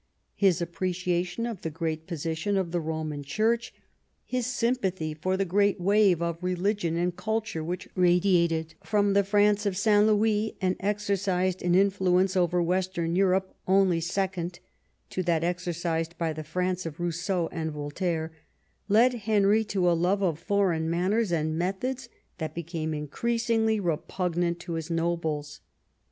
His appreciation of the great position of the Roman Church, his sympathy for the great wave of religion and culture which radiated from the France of St. Louis, and exercised an influence over western Europe only second to that exercised by the France of Rousseau and Voltaire, led Henry to a love of foreign manners and methods that became increasingly repug nant to his nobles.